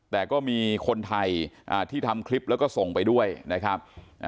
แต่ก็มีคนไทยที่ทำคลิปแล้วก็ส่งไปด้วยนะครับ